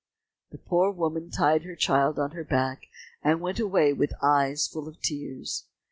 The poor woman tied her child on her back, and went away with eyes full of tears.